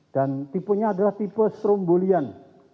dan tipenya adalah tipe strombolian